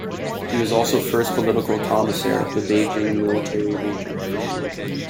He was also first political commissar of the Beijing Military Region.